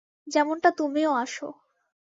যেমনটা তুমিও আসো।